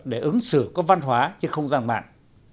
để ứng xử các văn hóa trên không gian mạng